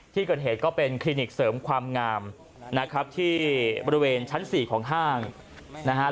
ที่เกิดเหตุก็เป็นคลินิกเสริมความงามนะครับที่บริเวณชั้น๔ของห้างนะฮะ